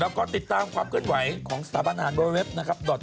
แล้วก็ติดตามความเคลื่อนไหวของสถาบันอาหารโรเล็บนะครับ